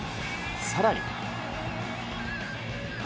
さらに。